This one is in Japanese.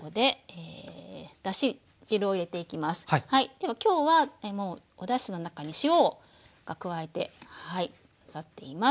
では今日はもうおだしの中に塩を加えて混ざっています。